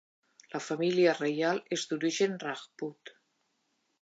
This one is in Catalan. La família reial és d'origen rajput.